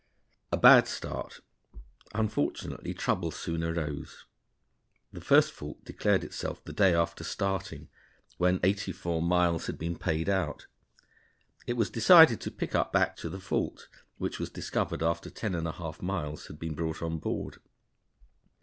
A Bad Start. Unfortunately trouble soon arose. The first fault declared itself the day after starting, when eighty four miles had been paid out. It was decided to pick up back to the fault, which was discovered after ten and a half miles had been brought on board.